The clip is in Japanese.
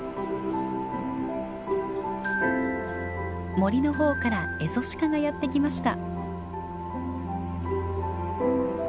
森の方からエゾシカがやって来ました。